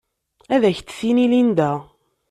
Ad ak-t-tini Linda.